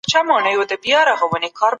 سالم خواړه تمرکز ښه کوي.